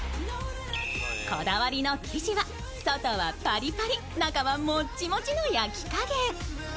こだわりの生地は外はパリパリ、中はモチモチの焼き加減。